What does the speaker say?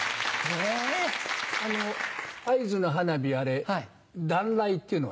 あの合図の花火あれ段雷っていうのね。